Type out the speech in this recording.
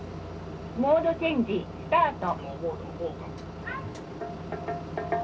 「モードチェンジスタート」。